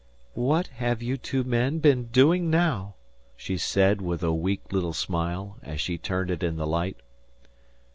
"What have you two been doing now?" she said, with a weak little smile, as she turned it in the light.